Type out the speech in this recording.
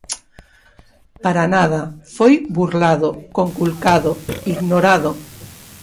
Para nada, foi burlado, conculcado, ignorado.